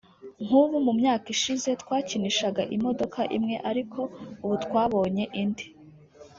nk’ubu mu myaka ishize twakinishaga imodoka imwe ariko ubu twabonye indi